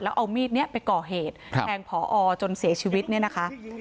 เอามีดนี้ไปก่อเหตุแทงผอจนเสียชีวิตเนี่ยนะคะ